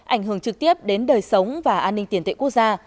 ảnh hưởng trực tiếp đến đời sống và an ninh tiền tệ quốc gia